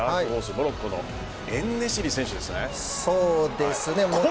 モロッコのエンネシリ選手ですね。